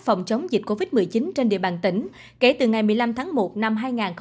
phòng chống dịch covid một mươi chín trên địa bàn tỉnh kể từ ngày một mươi năm tháng một năm hai nghìn hai mươi